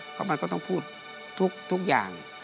เขาก็ต้องพูดทุกอย่าง